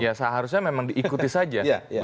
ya seharusnya memang diikuti saja